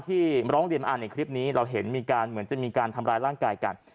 ร้องเรียนมาในคลิปนี้เราเห็นมีการเหมือนจะมีการทำร้ายร่างกายกัน